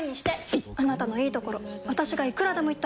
いっあなたのいいところ私がいくらでも言ってあげる！